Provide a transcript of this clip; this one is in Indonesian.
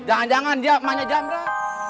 jangan jangan dia emaknya jamret